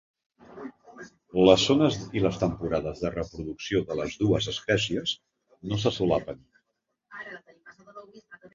Les zones i les temporades de reproducció de les dues espècies no se solapen.